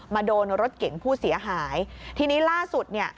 โดนรถเก่งผู้เสียหายทีนี้ล่าสุดเนี่ย